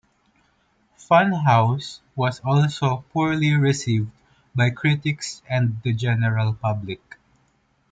"Fun House" was also poorly received by critics and the general public.